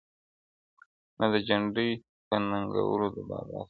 نه د جنډۍ په ننګولو د بابا سمېږي-